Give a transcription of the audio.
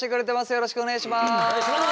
よろしくお願いします。